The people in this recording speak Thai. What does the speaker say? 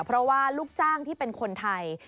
เพราะว่าลูกจ้างที่เป็นคนไทย